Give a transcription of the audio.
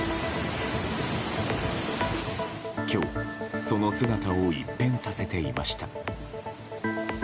今日、その姿を一変させていました。